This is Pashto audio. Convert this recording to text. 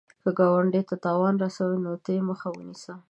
که ګاونډي ته تاوان رسوي، ته یې مخه ونیسه